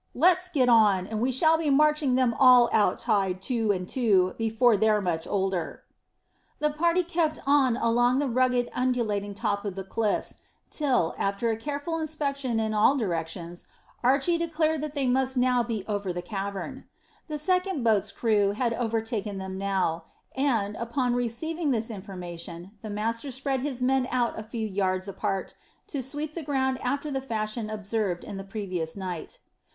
Let's get on, and we shall be marching them all out tied two and two before they're much older." The party kept on along the rugged undulating top of the cliffs, till, after a careful inspection in all directions, Archy declared that they must now be over the cavern. The second boat's crew had overtaken them now, and, upon receiving this information, the master spread his men out a few yards apart, to sweep the ground after the fashion observed on the previous night.